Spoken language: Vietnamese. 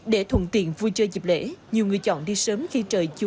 để thùng tiện vui chơi dịp lễ nhiều người chọn đi sớm khi trời chiều